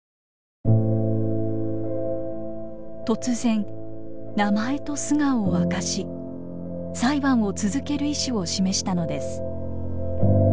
突然名前と素顔を明かし裁判を続ける意思を示したのです。